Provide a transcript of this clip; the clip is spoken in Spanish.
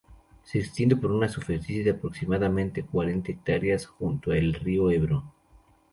Se extiende por una superficie de aproximadamente cuarenta hectáreas junto al río Ebro.